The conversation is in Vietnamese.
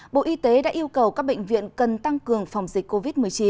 bộ y tế đã yêu cầu các bệnh viện cần tăng cường phòng dịch covid một mươi chín